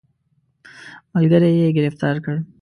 ملګري یې ګرفتار کړ.